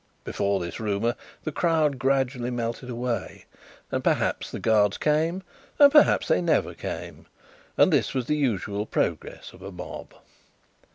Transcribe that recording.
Before this rumour, the crowd gradually melted away, and perhaps the Guards came, and perhaps they never came, and this was the usual progress of a mob.